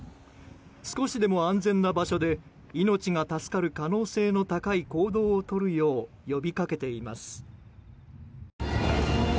少しでも安全な場所で命が助かる可能性の高い行動をとるよう呼びかけています。